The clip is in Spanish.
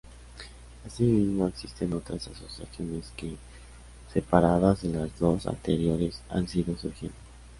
Asimismo, existen otras asociaciones que separadas de las dos anteriores han ido surgiendo.